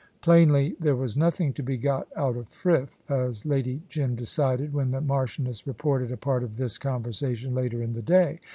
Plainly there was nothing to be got out of Frith, as Lady Jim decided when the Marchioness reported a part of this conversation later in the day.